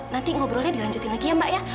nanti ngobrolnya dilanjutin lagi ya mbak ya